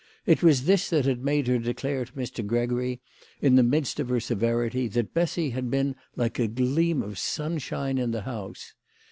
It was this that had made her declare to Mr. Gregory, in the midst of her severity, that Bessy had been like a gleam of sunshine in the house.